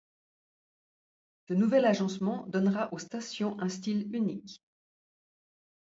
Ce nouvel agencement donnera aux stations un style unique.